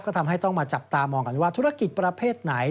ก็ทำให้ต้องมาจับตามองกันว่าธุรกิจประเภทไหน